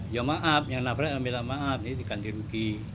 ya maaf yang nafasnya minta maaf ini dikanti rugi